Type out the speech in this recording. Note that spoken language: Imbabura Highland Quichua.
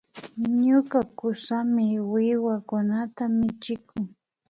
Ñuka kusami wiwakunata michikun